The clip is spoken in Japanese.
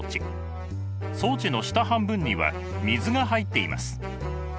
装置の下半分には水が入っています。